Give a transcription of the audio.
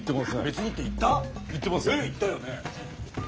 えっ言ったよね？